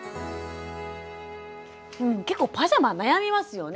結構パジャマ悩みますよね。